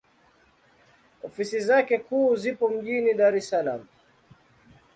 Ofisi zake kuu zipo mjini Dar es Salaam.